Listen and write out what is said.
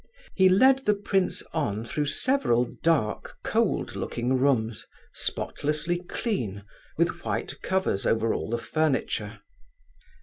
He led the prince on through several dark, cold looking rooms, spotlessly clean, with white covers over all the furniture.